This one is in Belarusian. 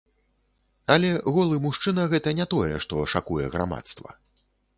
Але голы мужчына гэта не тое, што шакуе грамадства.